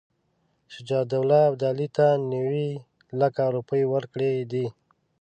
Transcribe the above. شجاع الدوله ابدالي ته نیوي لکه روپۍ ورکړي دي.